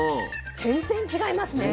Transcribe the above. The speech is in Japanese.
全然違いますね。